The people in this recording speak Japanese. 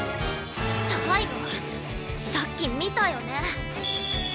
タイガさっき見たよね？